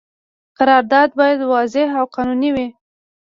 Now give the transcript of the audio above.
قرارداد باید واضح او قانوني وي.